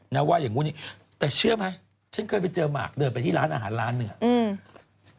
เนื้อว่าอย่างนู้นแต่เชื่อไหมฉันเคยไปเจอหมากเดินไปที่ร้านอาหารหนึ่ง